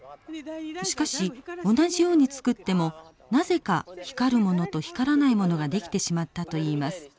しかし同じように作ってもなぜか光るものと光らないものが出来てしまったといいます。